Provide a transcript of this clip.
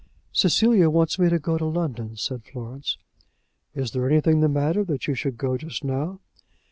"Cecilia wants me to go to London," said Florence. "Is there anything the matter that you should go just now?"